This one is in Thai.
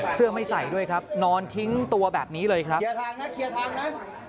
เสื้อไม่ใส่ด้วยครับนอนทิ้งตัวแบบนี้เลยครับเคลียร์ทางนะเคลียร์ทางนะ